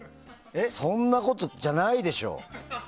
そんなことじゃないでしょ！